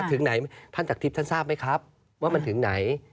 ถึงไหนท่านจากทิพย์ท่านทราบไหมครับว่ามันถึงไหน